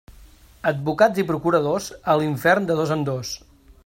Advocats i procuradors, a l'infern de dos en dos.